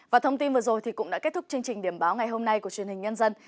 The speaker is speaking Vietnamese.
và thông tin vừa rồi cũng đã kết thúc chương trình điểm báo ngày hôm nay của truyền hình nhân dân